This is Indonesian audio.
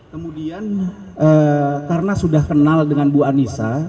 kemudian karena sudah kenal dengan bu anissa